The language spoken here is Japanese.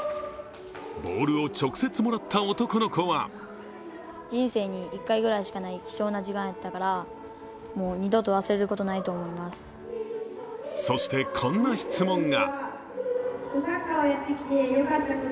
ボールを直接もらった男の子はそして、こんな質問が。